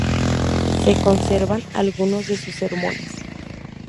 Se conservan algunos de sus sermones.